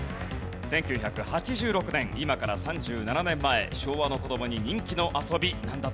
１９８６年今から３７年前昭和の子どもに人気の遊びなんだったんでしょうか？